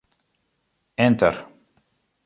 Enter.